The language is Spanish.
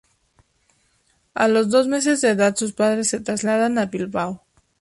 A los dos meses de edad sus padres se trasladan a Bilbao.